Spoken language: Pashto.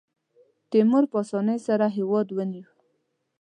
تیمور په اسانۍ سره هېواد ونیو.